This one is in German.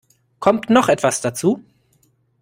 Kommt noch etwas dazu?